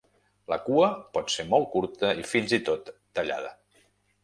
La cua pot ser molt curta i fins i tot tallada.